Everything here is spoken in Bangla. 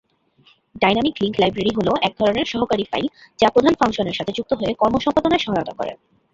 ডাইনামিক-লিংক লাইব্রেরি হল একধরনের সহকারী ফাইল যা প্রধান ফাংশনের সাথে যুক্ত হয়ে কর্ম সম্পাদনায় সহায়তা করে।